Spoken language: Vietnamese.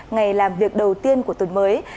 ngày làm việc đầu tiên của tuần mới